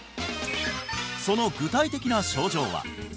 その具体的な症状は？